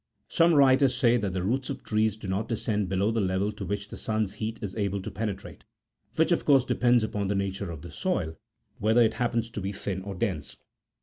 Some writers say that the roots of trees do not descend below the level to which the sun's heat is able to penetrate ; which, of course, depends upon the nature of the soil, whether it happens to be thin or dense.